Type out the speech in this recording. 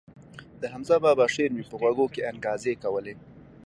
د حمزه بابا شعر مې په غوږو کښې انګازې کولې.